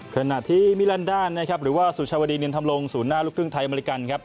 ขณะที่มิลลานดาหรือว่าสุชาวดีนินธรรมรงสุนหน้าลูกทึ่งไทยอเมริกัน